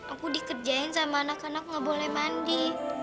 aku dikerjain sama anak anak nggak boleh mandi